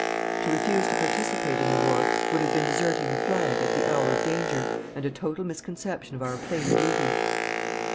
To refuse to participate in the war would have been deserting the flag at the hour of danger, and a total misconception of our plain duty.